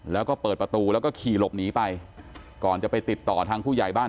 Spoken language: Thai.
แล้วก็เปิดประตูแล้วก็ขี่หลบหนีไปก่อนจะไปติดต่อทางผู้ใหญ่บ้าน